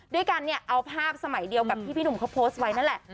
ด้วยกันเนี่ยเอาภาพสมัยเดียวกับที่พี่หนุ่มเขาโพสต์ไว้นั่นแหละ